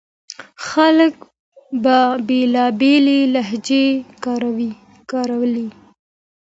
خلک به بېلابېلې لهجې کارولې.